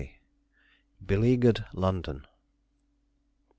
BELEAGUERED LONDON.